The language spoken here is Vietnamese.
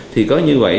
thì có như vậy